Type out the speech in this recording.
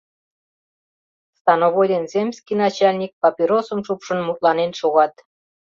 Становой ден земский начальник, папиросым шупшын, мутланен шогат: